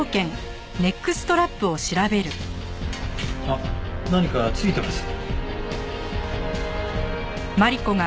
あっ何か付いてます。